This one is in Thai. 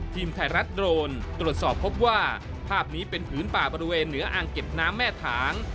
ทีมไทยรัฐโดรนตรวจสอบพบว่าภาพนี้เป็นผืนป่าบริเวณเหนืออ่างเก็บน้ำแม่ถาง